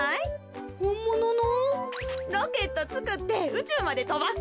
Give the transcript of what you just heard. ロケットつくってうちゅうまでとばすんや。